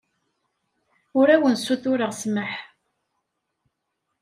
Ur awen-ssutureɣ ssmaḥ.